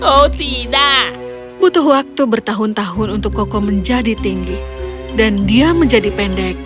oh tidak butuh waktu bertahun tahun untuk koko menjadi tinggi dan dia menjadi pendek